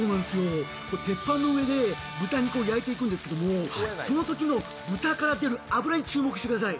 鉄板のうえで豚肉を焼いていくんですけれども、そのときの豚から出る脂に注目してください。